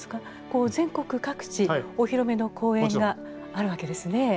こう全国各地お披露目の公演があるわけですね。